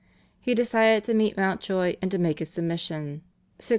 He decided to meet Mountjoy and to make his submission (1603).